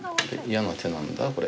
嫌な手なんだこれ。